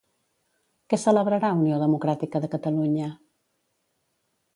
Què celebrarà Unió Democràtica de Catalunya?